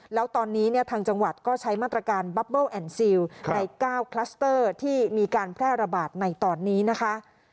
แล้วตอนนี้เนี่ยทางจังหวัดก็ใช้มาตรการบับเบิ้ลแอนดซิลใน๙คลัสเตอร์ที่มีการแพร่ระบาดในตอนนี้นะคะ